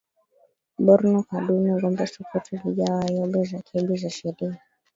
Borno Kaduna Gombe Sokoto Jigawa Yobe na Kebbi za sharia